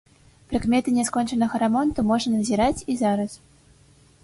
Прыкметы няскончанага рамонту можна назіраць і зараз.